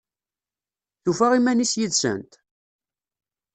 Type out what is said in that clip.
Tufa iman-is yid-sent?